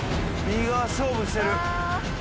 右側勝負してる。